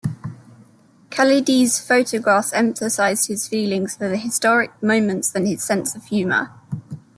Khaldei's photographs emphasised his feelings for the historic moments and his sense of humour.